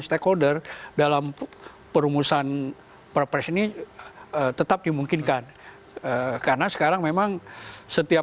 stakeholder dalam perumusan perpres ini tetap dimungkinkan karena sekarang memang setiap